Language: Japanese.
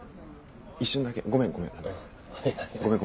一瞬だけごめんごめん。